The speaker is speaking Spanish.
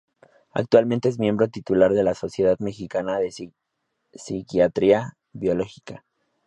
Actualmente es miembro titular de la Sociedad Mexicana de Psiquiatría Biológica.